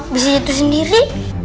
bisa jatuh sendiri